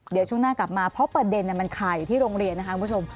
เดี๋ยวช่วงหน้ากลับมาเพราะประเด็นมันคาอยู่ที่โรงเรียนนะคะคุณผู้ชม